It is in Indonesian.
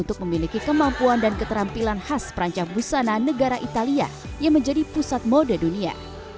untuk memiliki kemampuan dan keterampilan khas perancang busana negara italia yang menjadi pusat mode dunia